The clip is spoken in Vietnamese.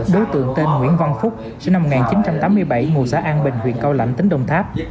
đối tượng tên nguyễn văn phúc sinh năm một nghìn chín trăm tám mươi bảy ngụ xã an bình huyện cao lãnh tỉnh đồng tháp